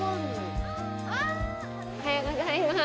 おはようございます。